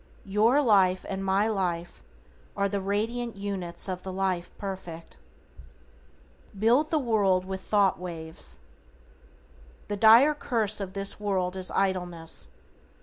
Your life and my life are the radiant units of the Life Perfect. =BUILD THE WORLD WITH THOUGHT WAVES:= The dire curse of this world is idleness.